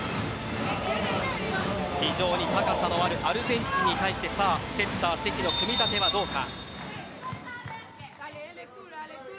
非常に高さのあるアルゼンチンに対してセッター関の組み立てはどうか。